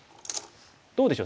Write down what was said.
どうでしょう？